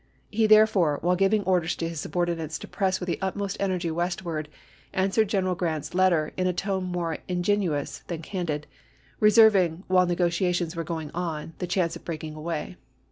He therefore, while giving orders to his subordinates to press with the utmost energy westward, an swered General Grant's letter in a tone more ingen ious than candid, reserving, while negotiations were going on, the chance of breaking away.